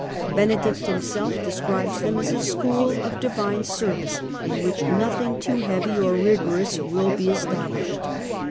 Benedict himself describes them as " a school of Divine service, in which nothing too heavy or rigorous will be established